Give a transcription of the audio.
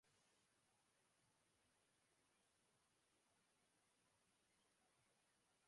Se dedicaban a la caza, pesca y recolección.